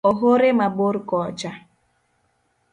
Ohore mabor kocha